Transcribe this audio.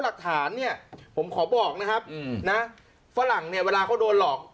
หลักฐานเนี่ยผมขอบอกนะครับนะฝรั่งเนี่ยเวลาเขาโดนหลอก